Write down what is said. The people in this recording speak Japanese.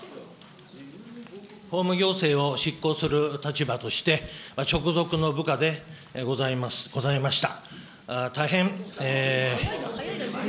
法務行政を執行する立場として、直属の部下でございます、ございました。